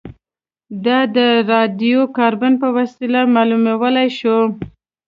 دا د راډیو کاربن په وسیله معلومولای شو